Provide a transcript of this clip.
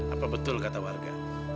apa betul kata warga